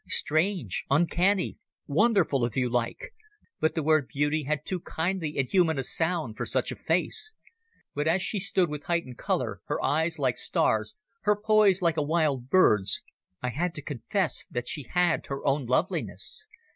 Strange, uncanny, wonderful, if you like, but the word beauty had too kindly and human a sound for such a face. But as she stood with heightened colour, her eyes like stars, her poise like a wild bird's, I had to confess that she had her own loveliness.